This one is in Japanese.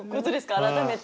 改めて。